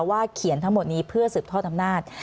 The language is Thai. เขียนทั้งหมดนี้เพื่อสืบทอดอำนาจ